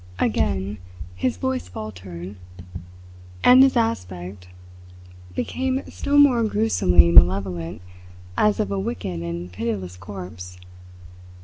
Again his voice faltered and his aspect became still more gruesomely malevolent as of a wicked and pitiless corpse.